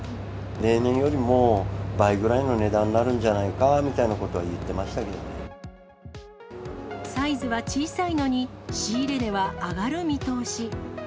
例年よりも、倍くらいの値段になるんじゃないかみたいなことは言ってましたけサイズは小さいのに、仕入れ値は上がる見通し。